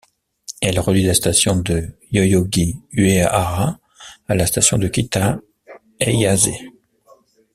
Elle relie la station de Yoyogi-Uehara à la station de Kita-Ayase.